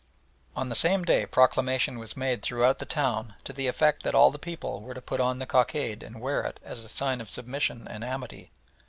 On the same day proclamation was made throughout the town to the effect that all the people were to put on the cockade and wear it as a sign of submission and amity.